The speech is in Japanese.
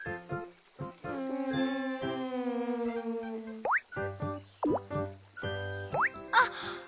うん。あっ！